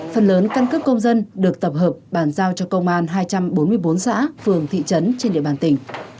phần lớn căn cước công dân được tập hợp bàn giao cho công an hai trăm bốn mươi bốn xã phường thị trấn trên địa bàn tỉnh